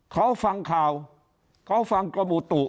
เขาฟังข่าวเขาฟังกรมอุตุ